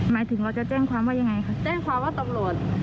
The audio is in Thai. หมายถึงเราจะแจ้งความว่ายังไงคะแจ้งความว่าตำรวจ